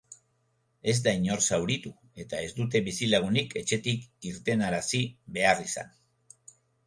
Ez da inor zauritu eta ez dute bizilagunik etxetik irtenarazi behar izan.